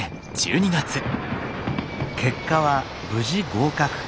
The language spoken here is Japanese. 結果は無事合格。